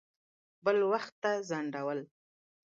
بل وخت ته ځنډول.